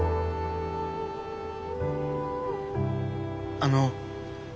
あの。